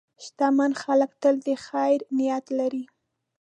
شتمن خلک تل د خیر نیت لري.